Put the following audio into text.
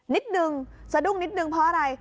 นิดนึงสะดุ้งนิดนึงเพราะอะไร